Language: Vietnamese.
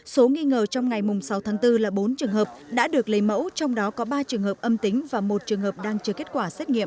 số nghi ngờ trong ngày sáu tháng bốn là bốn trường hợp đã được lấy mẫu trong đó có ba trường hợp âm tính và một trường hợp đang chờ kết quả xét nghiệm